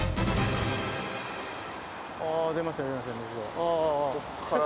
ああ、出ました！